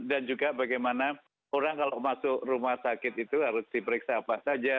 dan juga bagaimana orang kalau masuk rumah sakit itu harus diperiksa apa saja